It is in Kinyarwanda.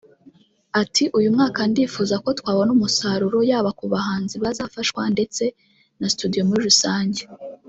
Ati “ Uyu mwaka ndifuza ko twabona umusaruro yaba ku bahanzi bazafashwa ndetse na studio muri rusange